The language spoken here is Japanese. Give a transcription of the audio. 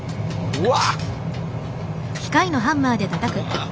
うわ。